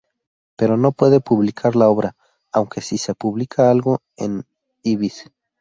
Pero no puede publicar la obra, aunque sí se publica algo en "Ibis".